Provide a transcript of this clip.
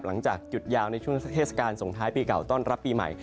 หลังจากหยุดยาวในช่วงเทศกาลส่งท้ายปีเก่าต้อนรับปีใหม่